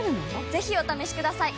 ぜひお試しください！